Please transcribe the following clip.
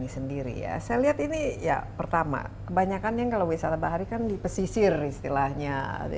saya lihat ini pertama kebanyakan yang kalau wisata bahari kan dipesisir istilahnya